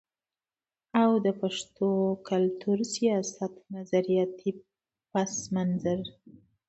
او د پښتون کلتور، سياست، نظرياتي پس منظر